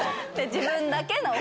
自分だけの。